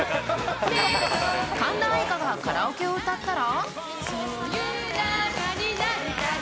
神田愛花がカラオケを歌ったら。